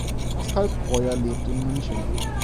Pascal Breuer lebt in München.